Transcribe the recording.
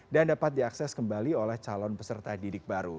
dan dapat diakses kembali oleh calon peserta didik baru